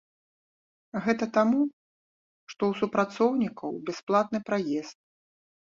Гэта таму што у супрацоўнікаў бясплатны праезд.